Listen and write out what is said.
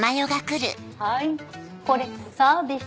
はいこれサービス。